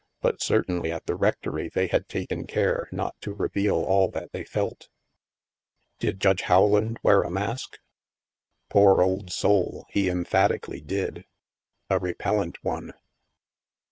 But certainly at the rectory they had taken care not to reveal all that they felt. Did Judge Rowland wear a mask? Poor old soul, he emphatically did. A repellent one.